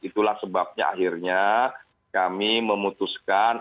itulah sebabnya akhirnya kami memutuskan